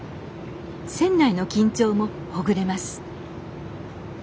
船内の緊張もほぐれます